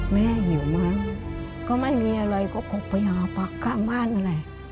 แม่หิวมากก็ไม่มีอะไรก็ก็พยาบัตรข้าม่านนั่นแหละ